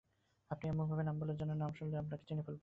আপনি এমনভাবে নাম বললেন, যেন নাম শুনলেই আমি আপনাকে চিনে ফেলব।